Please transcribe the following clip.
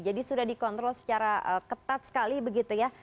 jadi sudah dikontrol secara ketat sekali begitu ya